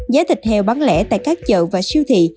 giá thịt heo bán lẻ tại các chợ và siêu thị